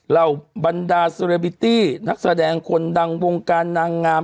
เหล่าบรรดาเซเรบิตตี้นักแสดงคนดังวงการนางงาม